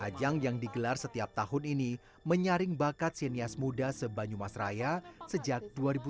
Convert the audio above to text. ajang yang digelar setiap tahun ini menyaring bakat sinias muda sebanyumas raya sejak dua ribu tujuh belas